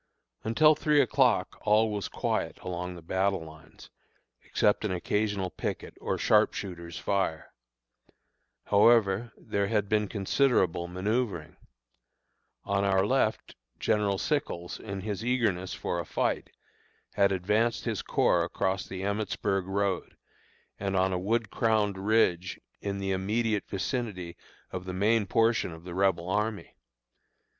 Until three o'clock all was quiet along the battle lines, except an occasional picket or sharpshooter's fire. However, there had been considerable manoeuvring. On our left General Sickles, in his eagerness for a fight, had advanced his corps across the Emmitsburg road, and on a wood crowned ridge in the immediate vicinity of the main portion of the Rebel army.